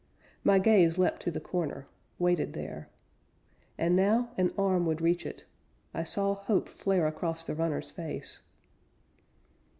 My gaze leapt to the corner waited there. And now an arm would reach it. I saw hope flare Across the runner's face.